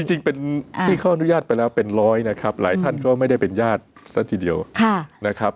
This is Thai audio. จริงเป็นที่เขาอนุญาตไปแล้วเป็นร้อยนะครับหลายท่านก็ไม่ได้เป็นญาติซะทีเดียวนะครับ